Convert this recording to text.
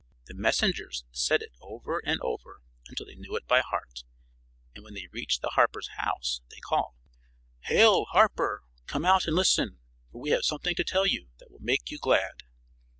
The messengers said it over and over until they knew it by heart, and when they reached the harper's house they called: "Hail, harper! Come out and listen, for we have something to tell you that will make you glad."